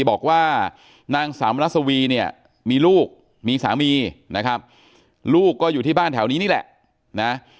บอกว่านางสามรัสวีเนี่ยมีลูกมีสามีนะครับลูกก็อยู่ที่บ้านแถวนี้นี่แหละนะ